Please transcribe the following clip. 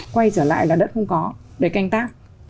quay trở lại là đất không có để canh tác